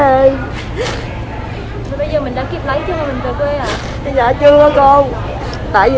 bây giờ mình đang kiếp lấy chứ không về quê à